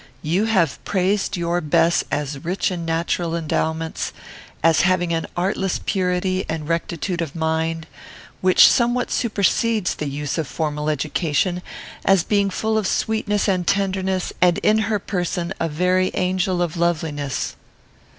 You have praised your Bess as rich in natural endowments; as having an artless purity and rectitude of mind, which somewhat supersedes the use of formal education; as being full of sweetness and tenderness, and in her person a very angel of loveliness."